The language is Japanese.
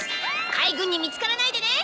海軍に見つからないでね。